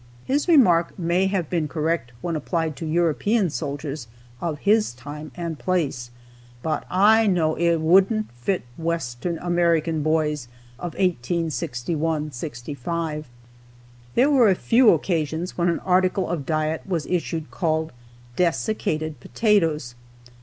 His remark may have been correct when applied to European soldiers of his time and place, but I know it wouldn't fit western American boys of 1861 65. There were a few occasions when an article of diet was issued called "desiccated potatoes."